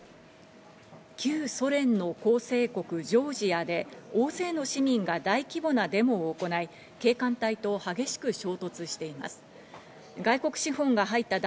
旧ソ連の構成国ジョージアで、大勢の市民が大規模なデモを行い、警官隊と激しく衝突しています。